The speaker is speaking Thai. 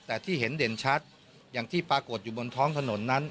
แต่ที่เห็นเด่นชัดอย่างที่ปรากฏอยู่บนท้องถนนนั้น